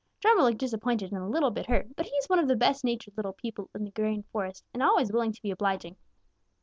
Drummer looked disappointed and a little bit hurt, but he is one of the best natured little people in the Green Forest and always willing to be obliging.